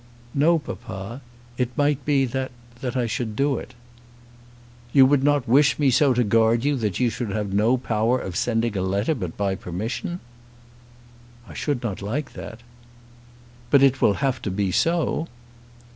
"No, papa. It might be that that I should do it." "You would not wish me so to guard you that you should have no power of sending a letter but by permission?" "I should not like that." "But it will have to be so."